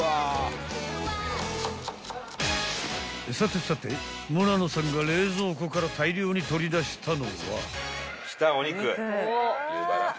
［さてさて村野さんが冷蔵庫から大量に取り出したのは］